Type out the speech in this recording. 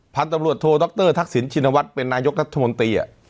พันธุ์ตำรวจโทรด็อกเตอร์ทักษิณชินวัตต์เป็นนายกทัศนมนตรีอ่ะ